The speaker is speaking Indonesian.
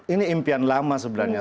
ini impian lama sebenarnya